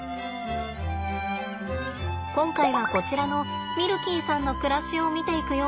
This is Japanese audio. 今回はこちらのミルキーさんの暮らしを見ていくよ。